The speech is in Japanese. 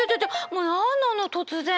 もう何なの突然！